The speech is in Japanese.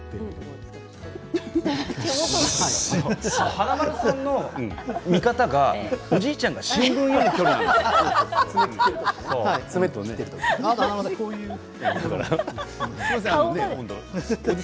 華丸さんの見方がおじいちゃんが新聞読んでいる感じ。